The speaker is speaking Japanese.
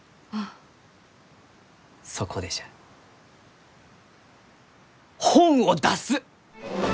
そこでじゃ本を出す！